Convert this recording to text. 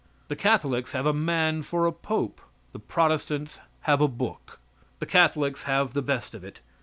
The Catholics have a man for a pope; the Protestants have a book. The Catholics have the best of it.